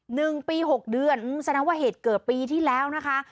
หนึ่งปีหกเดือนแสดงว่าเหตุเกิดปีที่แล้วนะคะ